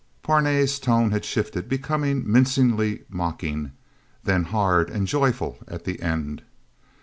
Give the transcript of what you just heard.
Parnay's tone had shifted, becoming mincingly mocking, then hard and joyful at the end.